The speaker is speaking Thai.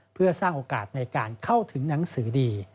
เพื่อสร้างโอกาสในการเข้าถึงหนังสือดี